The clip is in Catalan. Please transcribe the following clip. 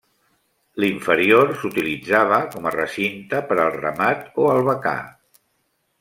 L'inferior s'utilitzava com a recinte per al ramat o albacar.